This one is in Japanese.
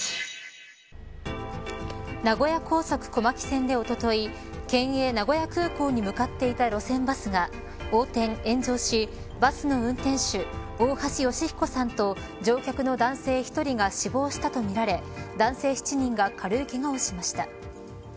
名古屋高速小牧線でおととい県営名古屋空港に向かっていた路線バスが横転、炎上しバスの運転手、大橋義彦さんと乗客の男性１人が死亡したとみられ男性７人が軽いけがをしました。